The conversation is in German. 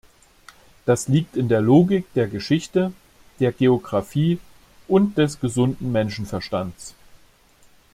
Das liegt in der Logik der Geschichte, der Geographie und des gesunden Menschenverstands.